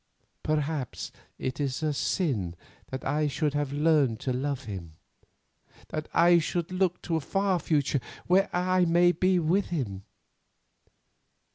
Perhaps it is a sin that I should have learned to love him; that I should look to a far future where I may be with him.